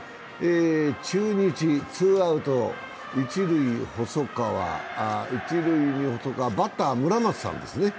中日、ツーアウト、一塁に細川、バッター・村松さんですね。